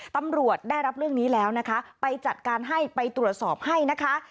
ตำรวจได้รับเรื่องนี้แล้วนะคะไปจัดการให้ไปตรวจสอบให้นะคะ